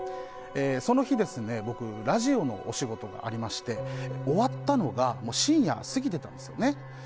その日、僕ラジオのお仕事がありまして終わったのが深夜過ぎてたんですよね。